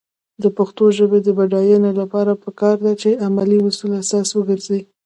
د پښتو ژبې د بډاینې لپاره پکار ده چې علمي اصول اساس وګرځي.